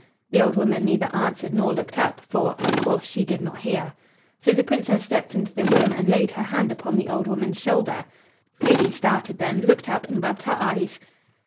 The old woman neither answered nor looked up, for, of course, she did not hear. So the Princess stepped into the room and laid her hand upon the old woman's shoulder. Goody started then, looked up, and rubbed her eyes.